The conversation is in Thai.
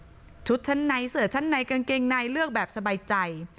ชุดชั้นในเสือชั้นในกางเกงในเลือกแบบสบายใจ